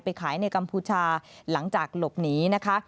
ขายในกัมพูชาหลังจากหลบหนีนะคะ